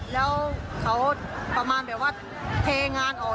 แล้วเขาประมาณแบบว่าเทงานออก